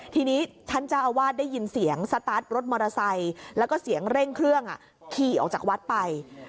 ทีนี้ท่านเจ้าอาวาสได้ยินเสียงสตาร์ทรถมอเตอร์ไซค์แล้วก็เสียงเร่งเครื่องขี่ออกจากวัดไป